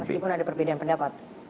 meskipun ada perbedaan pendapat